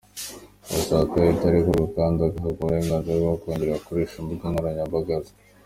Turasaba ko ahita arekurwa kandi agahabwa uburenganzira bwo kongera gukoresha imbuga nkoranyambaga ze.